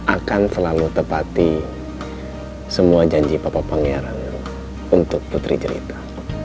akan selalu tepati semua janji papa pangeran untuk putri cerita